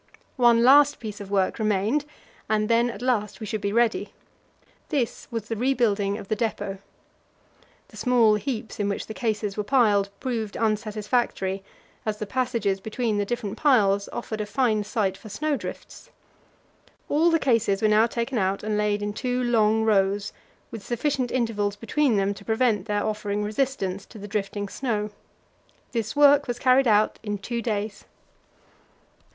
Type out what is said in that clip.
One last piece of work remained, and then at last we should be ready. This was the rebuilding of the depot. The small heaps in which the cases were piled proved unsatisfactory, as the passages between the different piles offered a fine site for snow drifts. All the cases were now taken out and laid in two long rows, with sufficient intervals between them to prevent their offering resistance to the drifting snow. This work was carried out in two days.